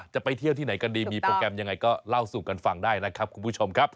จะไปเที่ยวที่ไหนกันดีมีโปรแกรมยังไงก็เล่าสู่กันฟังได้นะครับคุณผู้ชมครับ